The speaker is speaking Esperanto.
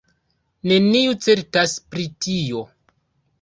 Neniu certas pri tio.